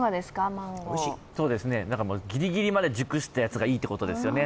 ギリギリまで熟したやつがいいってことですよね。